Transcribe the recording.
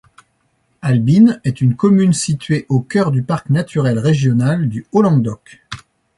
Albine est une commune située au cœur du parc naturel régional du Haut-Languedoc.